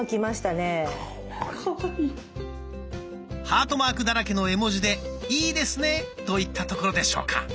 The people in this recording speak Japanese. ハートマークだらけの絵文字で「いいですね」といったところでしょうか。